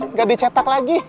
nggak dicetak lagi